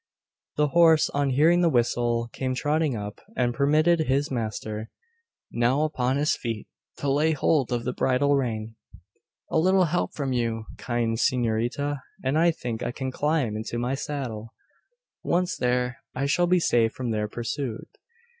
The horse, on hearing the whistle, came trotting up, and permitted his master now upon his feet to lay hold of the bridle rein. "A little help from you, kind s'norita, and I think I can climb into my saddle. Once there, I shall be safe from their pursuit."